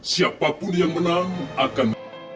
siapapun yang menang akan